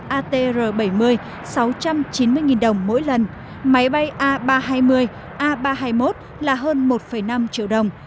atr bảy mươi sáu trăm chín mươi đồng mỗi lần máy bay a ba trăm hai mươi a ba trăm hai mươi một là hơn một năm triệu đồng